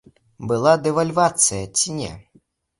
Была дэвальвацыя ці не?